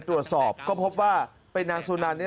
แต่ตอนนี้ติดต่อน้องไม่ได้